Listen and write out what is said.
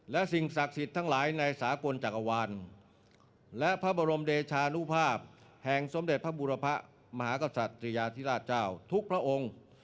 และสิ่งศักดิ์สิทธิ์ทั้งหลายในสากลจักรวาลและพระบรมเดชานุภาพแห่งสมเด็จพระบุรพะมหากษัตริยาธิราชเจ้าทุกพระองค์